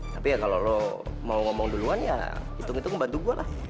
tapi ya kalau lo mau ngomong duluan ya hitung hitung membantu gue lah